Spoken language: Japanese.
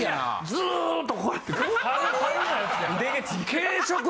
ずっとこうやって。